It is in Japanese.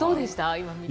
今、見て。